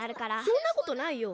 そんなことないよ。